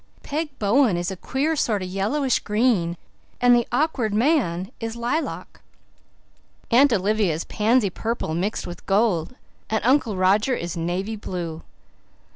Peg Bowen is a queer sort of yellowish green and the Awkward Man is lilac. Aunt Olivia is pansy purple mixed with gold, and Uncle Roger is navy blue."